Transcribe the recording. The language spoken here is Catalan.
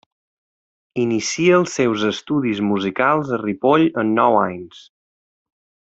Inicia els seus estudis musicals a Ripoll amb nou anys.